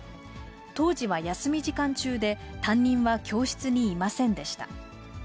当時は休み時間中で、担任は教室にいませんでした。